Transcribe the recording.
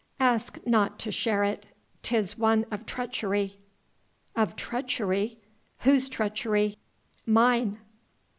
"Ask not to share it 'tis one of treachery." "Of treachery?... Whose treachery?..." "Mine."